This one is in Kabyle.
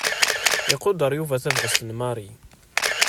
Iqudeṛ Yuba tabɣest n Mary.